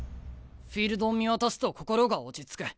フィールドを見渡すと心が落ち着く。